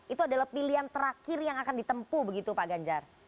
itu adalah pilihan terakhir yang akan ditempu begitu pak ganjar